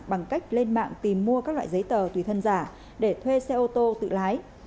bằng cách lên mạng tìm mua các loại giấy tờ tùy thân giả để thuê xe ô tô tự lái